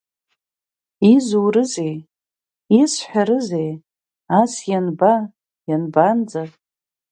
Изурызеи, исҳәарызеи, ас ианба, ианбанӡа?